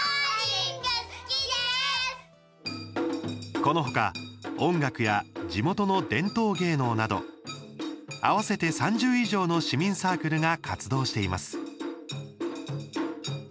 この他、音楽や地元の伝統芸能など合わせて３０以上の市民サークルが活動しています。